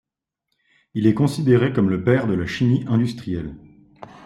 Il est considéré comme le père de la chimie industrielle.